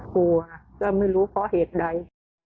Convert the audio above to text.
กลัวก็ไม่รู้เพราะเหตุใด